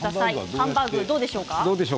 ハンバーグどうですか。